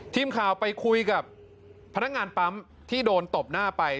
ทีมข่าวไปคุยกับพนักงานปั๊มที่โดนตบหน้าไป